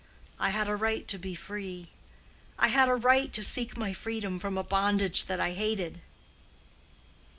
I had a right to be free. I had a right to seek my freedom from a bondage that I hated."